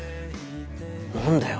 「何だよ